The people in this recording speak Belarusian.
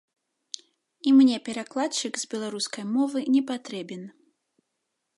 І мне перакладчык з беларускай мовы не патрэбен.